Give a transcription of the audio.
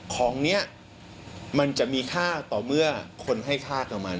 ของนี้มันจะมีค่าต่อเมื่อคนให้ค่ากับมัน